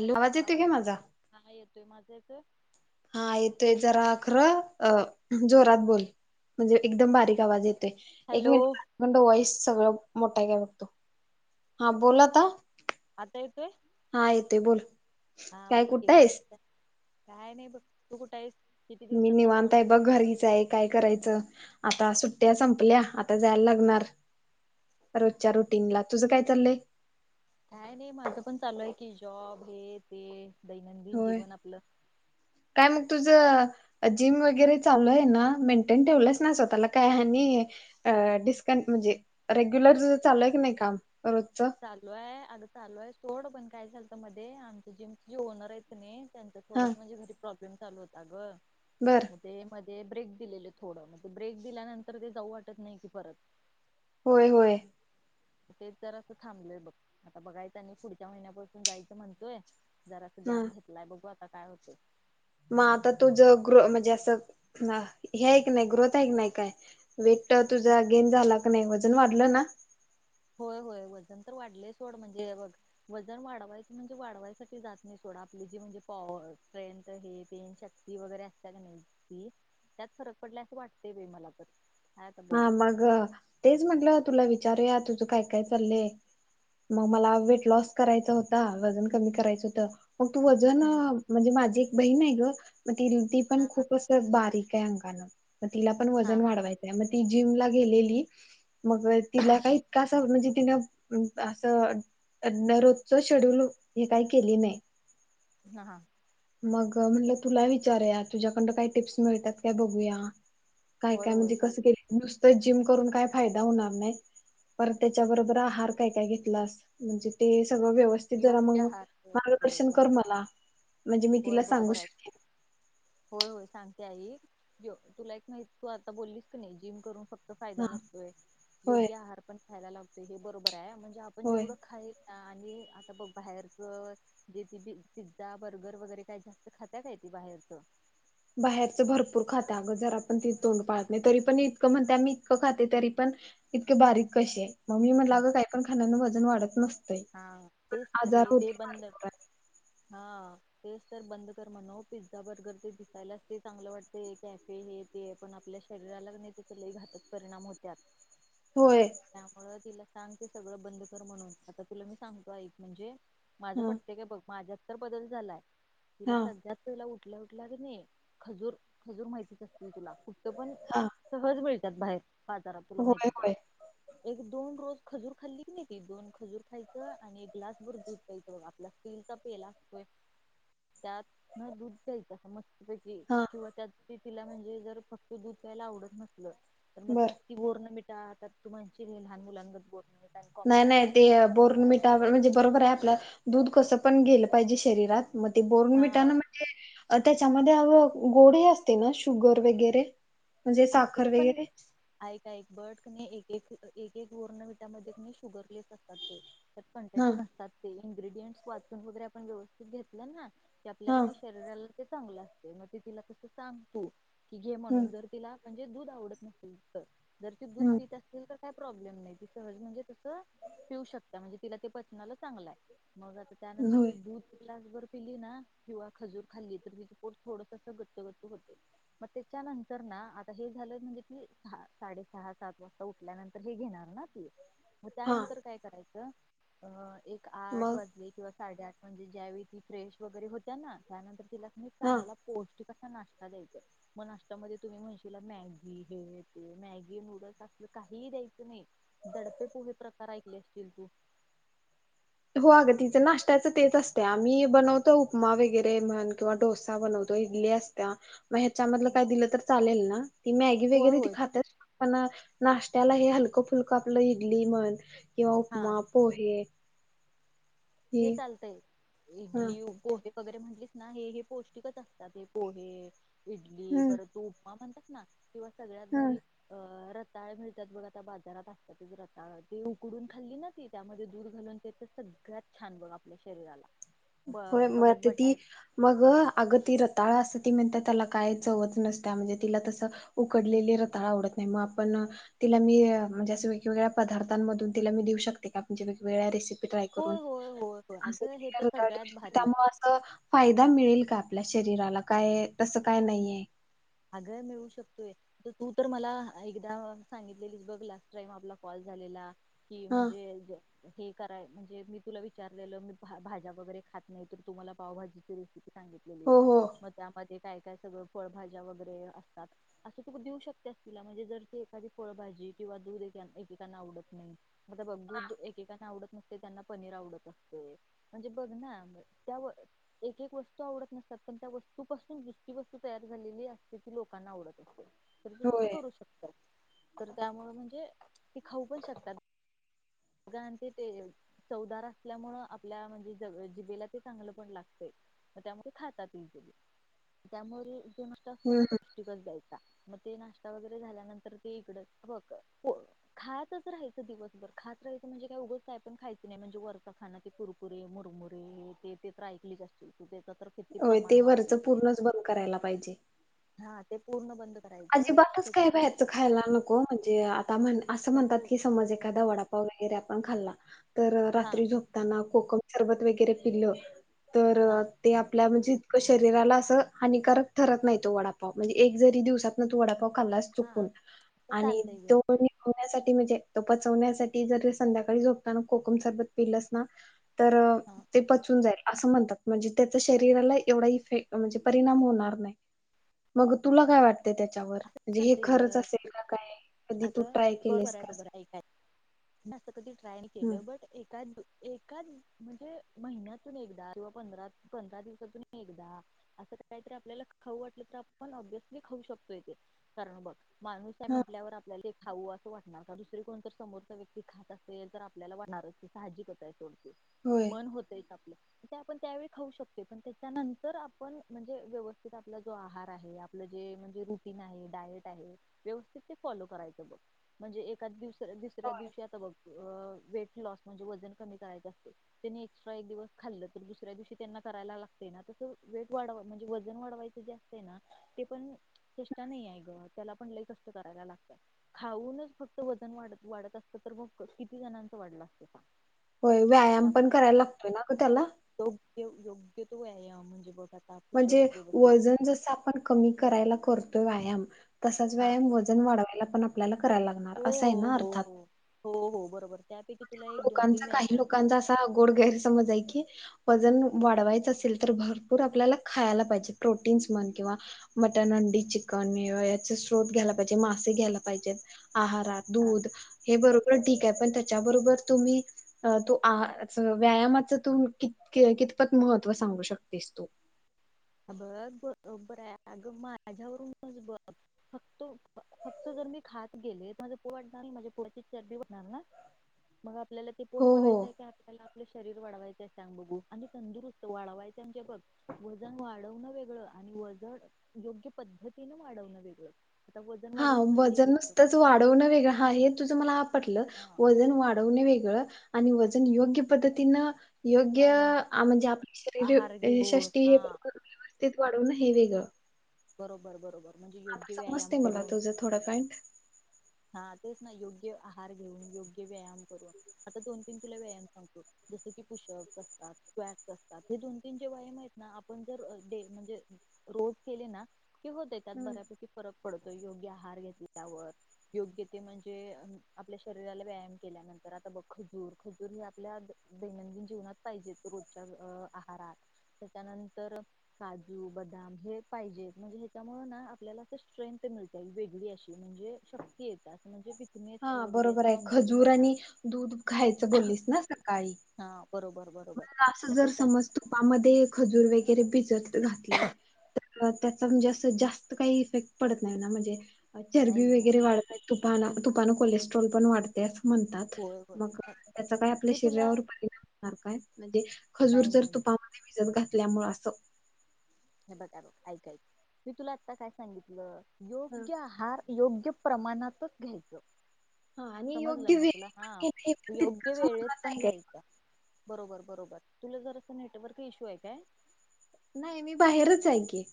Hello येतोय काय आवाज माझा हा येतोय माझा? [inaudible] हा येतोय जरा खरं अ जोरात बोल म्हणजे एकदम बारीक आवाज येतो. एक हॅलो मिनिट तिकडं वाईस सगळं मोठाय काय बघतो हा बोल आता आता येतोय? ते बोल हा बोलकी कुठं काय आहेस म्हणताय? काय नाही बघ तु कुठं आहेस? किती मी दिवसात ना फोन निवांताय बघ घरीच आहे काय करायचं? आता सुट्ट्या संपल्या आता जायला लागणार रोजच्या रुटीन ला तुझं काय चाललंय? काय नाही माझं पण चालू आहे की जॉब हे ते दैनंदिन जीवन आपलं. तुझ जिम वगैरे चालू आहे ना मेंटेन ठेवलंच ना स्वतःला काय ह डिस्कं म्हणजे रेग्युलर तुझं चालू आहे की नाही काम? रोजचं चालू आहे आग चालू आहे सोड बंद काय चालतं मध्ये आमचं जिमचे जे ओनर आहेत कि नाही! त्यां हा थोड म्हणेज घरी प्रॉब्लेम ल होता ग बर मग ते म ते ब्रेक दिलेले थोडं मग ब्रेक दिल्यानंतर ते जाऊ वाटत नाही कि परत होय होय ते तर असं थांबलंय बघ आता बघायचनी पुढच्या महिन्यापासून जायचं म्हणतोय, जरा अस हा ग्याप घेतलाय बघू आता काय होतंय. मग आता तुझं ग्रो म्हणजे असं हे नाही ग्रोथ आहे नाही काय वेट तुझा गेन झाला का नाही वजन वाढलं ना होय होय वजन तर वाढले सोड म्हणजे वजन वाढवायच म्हणजे वाढवायसाठी जात नाही सोड आपली जी म्हणजे पॉवर स्ट्रेंथ हे पेन शक्ती वगैरे असत का नाही ती त्यात फरक पडला असं वाटते मला तर काय आता हा बघू मग तेच म्हंटलं तुला विच विचारूया तुझ काय काय चाललंय मग मला वेट लॉस करायचा होता वजन कमी करायचं होतं मग तू वजन हम्म म्हणजे माझी एक बहीण आहे ग, मग ति ती पण हा हा खूप असं बारीक आहे अंग गाणं मग तिला पण हा वजन हा वाढवायचं ती जिमला गेलेली मग तिला का इतका अस म्हणजे तिनं असं रोजच शेड्यूल हे काही केले नाही, हा हा मग म्हणलं तुला विचारत तुझ्याकडं काही टिप्स मिळतात काय बघूया, होय होय सांग न जिम करून काय फायडा होणार नाही परत त्याच्याबरोबर आहार काय घेतलास म्हणज वव ज योग्य आहार होय होय मार्गदर्शन कर बरोबर मला म्हणजे मी होय तिला सांगू बरोबर शके ते ऐक तुला एक नाही तू आता बोललीस क नाही जिम करून फक्त फायदा हा नसतोय होय योग्य आहार पण खायला लागतय हे बरोब म्हणजे आपण होय जेवढं खा ह आणि बघ बाहेरच जे ती पिझ्झा बर्गर वगैरे काही जास्त खाता काय त बाहेरच बाहेरचं भरपूर खातं अगं जर आप पण ती तोंड पाहत नाही तरी पण इतकं म्हणते आम्ही इतकं खाते तरी पण इतके बारीक कसे मम्मी म्हणलालंं काही पण खाण्यांन वजन वाढत मस्त हा तेच तरी ते बंद भरपूर हा तेच तर बंद कर म्हण पिझ्झा बर्गर ते दिसायलाच ते चांगलं वाटत कॅफे हे ते पण आपल्या शरीराला नाही ते सग घातक परिणाम होत्यात होय त्यामुळं दिलं सांग ते सगळं बंद कर म्हणून आता तुला मी सांगतो एक म्हणजे माझं हा पटते काय बघ माझ्या बदल झालाय तिला हा सध्याच तुला उठल्या उठल्या कणी खजूर खजूर माहितीच असतील तुला कुटपण हा सहज भे च्यात बाहेर बाजरात तुला होय माहितीच होय एक दोन रोज खजूर खाल्ली की नाही दोन खजूर खायचं आणि ग्लास भर दुध प्यायचं आपला स्टीलचा पला असतोय त्यात न दूध प्यायच मस्तीपैकी हा किंवा त्या तिला म्हणजे जर फक् दुध प्यायला आवडत नस मग बर त्यात ती बॉर्नविटा त्या तू म्हणशील हे लहान मुलांगत बोल नाही नाही ते बोर्नविटा म्हणजे बरोबर आहे आपल दूध कसं पण गेलं पाहिजे शरीरात मग ते बोर्न विटा हा ना म्हणजे त्याच्यामध्ये गोडे असते ना शुगर वगैरे म्हणजे साखर असते पण वगैरे एक एक बट कणी एक एक एक एक बॉर्नविठामध्ये शुगर लेस असतात ते कन्टेन्ट हा नसतात ते इनग्रेडियंटस वाचून वगैरे आपण व्यवस्थित घेतलं ना क हा आपल्याकनी शरीराला ते चांगलं ते मग ते तिला तसं सांग तु की घे हम्म म्हणून जर तिला म्हणजे दूध आवडत नसेल तर जर ते दूध हम्म पत असतील तर काय प्रॉब्लेम नाही त सहज म्हणजे तस पिऊ शकता म्हणजे तिला ते पचनाला चांगलं आहे मग आता त्यानंतर होय त दूध ग्लासभर पीली ना किंवा खजूर खाल्ली तर तर थोड गच्च गच्च होते मग त्याच्यानंतर ना हे झालं म्हणजे ती सहा साडे सहा सात वाजता उठल्यानंतर हे घेणार ना ती मग हा त्यानंतर काय करायचं ह एक [unintelligible] आठ मग वाजले किंवा.. साडेआठ म्हणजे ज्यावेळी ती फ्रेश वगैरे होत्या ना? त्यानंतर.. तिला एक हा चांगला पोस्ट.. नाश्ता द्यायचाय मग नाश्त्यामध्ये तुम्ही म्हणशील.. तिला मॅगी हे ते, मॅगी नूडल्स असलं काहीही द्यायचं नाही, दडपे पोहे प्रकार ऐकले असतील तू हो अगं, तिचं नाश्त्याचं तेच असते. आम्ही बनवतो उपमा वगैरे म्हण किंवा डोसा बनवतो इडली असत्या.. मग ह्याच्यामधलं काय दिलं तर चालेल ना? ती मॅगी होय वगैरे ती होय खातत पन.. नाश्त्याला हे हलकं-फुलकं आपलं इडली म्हण.. किंवा हा उपमा, पोहे, हे चालतंय ह इडली उ पोहे.. वगैरे म्हटलीस ना हे हे पौष्टिकच असतात हे पोहे, इडली हम्म पर तू उपमा म्हणता दिव [unintelligible] सगळ्यात हम् भरी.. अं.. रताळं मिळतात बघ आता बाजारात असतातच रताळं ते उकडून खाल्ली ना ती त्यामध्ये दूध घालून ते तर सगळ्यात.. छान बघ आपल्या शरीराला ब होय, मग परत ती बटाट मग अग ती रताळा अस ती म्हणते त्याला काय चवच नसते म्हणजे तिला तसं उकडलेली रताळं आवडत नाही मग आपण तिला मी म्हणजे असे वेगवेगळ्या पदार्थांमधून तिला मी देऊ शकते का? म्हणजे वेगवेगळ्या रेसिपी.. ट्राय करून.. होय होय होय होय असं अगं हे तर सगळ्यात भारी त्यामुळं असं फायदा मि मिळेल का आपल्या शरीराला काय तसं काय नाहीये? अगं मिळू शकतेय, तू तर मला एकदा सांगितलेली बघ लास्ट टाईम आपला कॉल झालेला. कि हा म्हणजे हे कराय, म्हणजे मी तुला विचारलेलं मी भाज्या वगैरे खात नाही तर तुम्हाला पावभाजीची रेसिपी हो सांगलेली हो. मग त्यामध्ये काय.. त्या सगळं फळभाजी.. ज्या वगैरे असतात असं तु देवू शकतेस तिला म्हणजे जर एखादी फळजी किंवा दुधना ऐकेकांना आवडत नाही. आता बघू तु एकेकांना आवडत नाही. ते त्यांना पनीर आवडत असतय म्हणजे बघ ना, एक-एक वस्तू आवडत नसतात पण त्या वस्तू पासून दुसरी वस्तू तयार.. झालेली असते की लोकांना आवडत असते. तर तू कसं होय करू शकतं.. तर त्यामुळे म्हणजे ती खाऊ पण शकतात. अगदी चवदार असल्यामुळे ते आपल्या जिभेला चांगले चव लागते त्यामुळे खातात असत हम्म ना हम्म पुष्टिकच जाय नाश्ता वगैरे झाल्यानंतर ते इड बघ खाच राहाच दिवसभर ख म्हणजे काय उघगच काय पण खायच नाही म्हणजे वरचा खाना क कुरकुरे मुरमुररी ते्र ऐकलीच असतील त ते. होय ते वरच पूर्णच बंद करायला पाहिजे. हा ते पूर्ण बंद. करायचं अजिबातच काही त्याच्यानंतर व्यायचं खायला नको म्हणजे आता म्हण असं म्हणतात नको की समज एखादा वडापाव वगैरे आपण खाल्ला तर हा रात्री झोपताना कोकम शरबत वगैरे पिल्ल तर हा ते आपल्या म्हणजे. शरीरा अस हक ठरत नाही तो शरीराला असं वडापाव म्हणजे एक जरी दिवसात तो वडापाव खाल्ला हा चुकून आता चालतंय ग म्हणजे तो पचवण्यासाठी जर संध्याकाळी झोपता ना कोकम सबत पलस ना तर हा ते पचून जाईल असं म्हणतात म्हणजे त्याचा शरीराला एवढा इफेक् म्हणजे परिणाम होणार नाही मग तुला काय वाटत. [unintelligible] म्हणजे हे चालतंय ग खरच असेल का काय कधी तू अगं ट्राय बरोबर केलेस आहे का... बरोबर आहे ऐकाय जास्त कधी ट्राय नाही हम्म केलं बट ए एकाच म्हणजे महिन्यातून एकदा किंवां पंधरा दिवसातून एकदा असं काहीतरी आपल्याला खाऊ वाटलं तर आपण ब्यसली खाऊ शकतो. कारण बत माणूस काय हा म्हटल्यावर आपल्या लेख खाऊ असं वाटणार का दुसर कोण तर समोरचा व्यक्ती खात असेल तर आपल्याला वाटणारच ते साहजिक आहे. होय. मन होतय का. ते आपण त्यावेळी खाऊ शकतोय पण त्याच्यानंतर आपण म्हणजे व्यवस्थित आपला जो आहार आहे आपल जे म्हणजे की नाही डायट आहे ते व्यवस्थित फॉलो करायचं बघ, म्हणजे एखाद्या दिवशी दुसऱ्या दिवशी आता बघ अ वेट लॉस म्हणजे वजन कमी करायच असत त्यांनी एक्स्ट्रा एक दिवस खाल्लं तर दुसऱ्या दिवशी त्यांना करायला लागते ना तस वेट वाढ म्हणजे वजन वाढवायच जे असते ना ते पण.. चेष्टा नाही आहे ग त्याला पण लई कष्ट करायला लागतय खाऊनच फक्त वजन वाढत वाढत असतं तर मग किती जणांच वाढलं असतं सांग. होय व्यायाम पण त्यामुळं करायला लागतोय ना ग त्याला. योग्य तो व्यायाम म्हणजे बघ आता पुषप म्हणजे व्यवस्थित वजन जस आपण कमी करायला कर तो व्यायाम तसाच हा व्यायाम वजन वाढवायला पण आपल्याला करायला लागणार हो असं हो आहे ना हो अर्थात. हो हो हो बरोबर त्यापैकी तुला एक दोन तीन लोकांचा काही व्यायामांच लोकांचा असा गोड गैरसमज आहे की वजन वाढवायचं असेल तर भरपूर आपल्याला खायला पाहिजे. प्रोटीन्स म्हण किंवा मटन, अंडी, चिकनं याचे स्रोत घ्यायला पाहिजे मासे घ्यायला पाहिजेत. आहारात हा दूध हे बरोबर डी त्याचा त्याच्याबरोबर तुम्ही तू आ व्यायामाच तू क कितपत महत्व सांगू शकतीस तू? बघ ब बरोबर आहे. माझ्यावरून बघ फक्त फक्त जर मी खात गेले, तर माझ पोट वाढणार, माझ्या पोटाची चरबी वाढणार ना मग आपल्याला ते पोट हो हो वाढवायच आहे काय आपल्याला आपल्या शरीर वाढवायच आहे सांग बघू आणि तंदुस्त वाढवायचे आहे म्हणजे बघ, व वजन वाढवणं वेगळं आणि वजन योग्य पद्धतीन वाढवणं वेगळं. आता वजन हा वाढवणं म्हणजे एक वजन एक नुसतंच वाढवणं वेगळं हा हे तुझं मला पटलं, हा वजन वाढवण वेगळं आणि वजन योग्य पद्धतीन योग्य वाढवण म्हणजे आपले आहार शरीर घेऊन षष्टी हे [inaudible] हा व्यवस्थित वाढवणं हे वेगळं. बरोबर बरोबर. म्हणजे आता योग्य व्यायाम समजते मला करून तुझं थोडं पॉईंट. हा तेच ना योग्य आहार घेऊन, योग्य व्यायाम करून, आता दोन तीन तुला व्यायाम सांगतो जस की पुशप् असतात, स्ॅस असतात हे दोन तीन जे व्यायाम आहेत ना आपण जर डे म्हणजे रोज केले ना की होतय त्यात हम्म. बऱ्यापैकी फरक पडतोय योग्य आहार घेतल्यावर योग्य ते म्हणजे, आपल्या शरीराला व्यायाम केल्यानंतर आता बघ खजूर खजूर हे आपल्या दैनंदिन जीवनात पाहिजेत रोजच्या आहारात. त्याच्यानंतर काजू बदाम हे पाहिजेत म्हणजे ह्याच्या मुळे ना आपल्याला अस स्ट्रेंथ मिळते वेगळी अशी म्हणजे श की येतात म्हणजे थी हा बरोबर आहे खजूर आणि दूध खायचं बोललीस ना सकाळी. हा बरोबर बरोबर मग अस जर त्याच्या समज तुपामध्ये खजूर वगैरे भि जवून त्यात घातले. त्याचं म्हणजे अस जास्त काही इफेक्ट पडत नाही ना म्हणजे नाही चरबी ग वगैरे वाढतय तुफान तुपान कोलेस्ट्रॉल पण वाढते. म्हणतात होय होय मग अ, त्याचा काय आपल्या मी तुला शरीरावर फयदा होणार काय म्हणजे खजूर नाही जर नाही तुपामध्ये भिजत घ आपल्यामुळे अस असो हे बघा ऐकऐक मी तुला आत्ता काय सांगितलं. हा योग्य आहार योग्य प्रमाणातच घ्यायचं. हा आणि योग्य समजलं ना तुला वेळ हा पण योग्य वेळेत तितकच पण आहे का? घ्यायचा बरोबर बरोबर तुला जर अस नेटवर्क इश्यू आहे का? नाही मी बाहेरच आहे की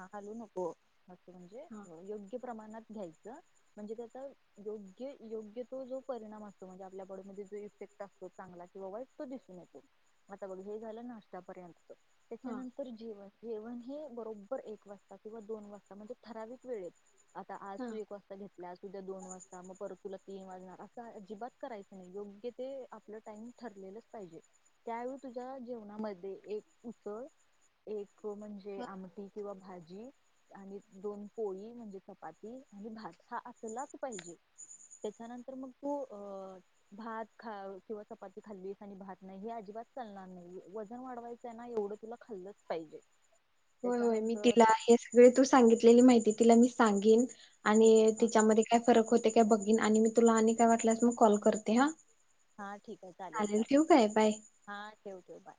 हालू नको. हा [unintelligible] प्रमाणात घ्यायच म्हणजे त्याचा योग्य योग्य तो जो परिणाम असतो म्हणजे आपल्या बॉडीमध्ये जो इफेक्ट असतो चांगला किंवा वाईट तो दिसून येतो आता बघ हे झालं नाशतापर्यंत हा त्याच्यानंतर जेवण जेवण हे बरोब बर एक वाजता किंवा दोन वाजता म्हणजे ठराविक वेळेत. आता आज हा तू एक वाजता घेतला उद्या दोन वाजता मग परत तुला तीन वाजणार असं अजिबात करायचं नाही योग्य ते आपलं टाइम ठरलेलंच पाहिजे त्यावेळी तुझ्या जेवणामध्ये एक उसळ एक हो म्हणजे हा आमटी किंवा भाजी आणि दोन पोळी म्हणजे चपाती आणि भात हा असलाच पाहिजे त्याच्यानंतर मग तू अ भात खा किंवा चपाती खाल्लीस आणि भात नाही हे अजिबात चालणार नाही वजन वाढवायचं आहे ना एवढं तुला खाल्लच पाहिजे. होय होय मी त्याच्यानंतर तिला हे सगळे तू सांगितलेली माहिती तिला मी सांगेन आणि हा तिच्यामध्ये काय फरक होत ते काय बघिन आणि मी तुला आणि काय वाटल्यास मग कॉल करते हा हा ठीक आहे चालेल चालेल ठेवू काय बाय. हा ठेव ठेव बाय.